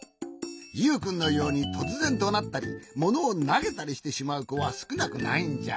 ユウくんのようにとつぜんどなったりものをなげたりしてしまうこはすくなくないんじゃ。